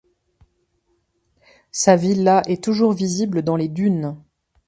Sa villa est toujours visible dans les dunes.